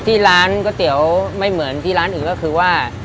ที่ร้านก๋วยเตี๋ยวไม่เหมือนที่ร้านอื่นก็คือว่า